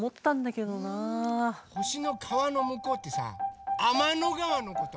ほしのかわのむこうってさあまのがわのこと？